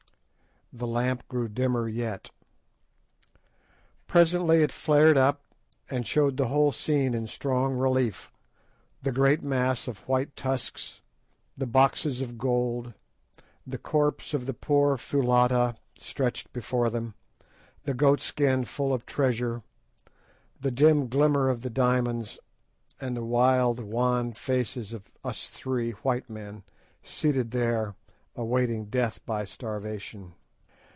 The lamp grew dimmer yet. Presently it flared up and showed the whole scene in strong relief, the great mass of white tusks, the boxes of gold, the corpse of the poor Foulata stretched before them, the goat skin full of treasure, the dim glimmer of the diamonds, and the wild, wan faces of us three white men seated there awaiting death by starvation.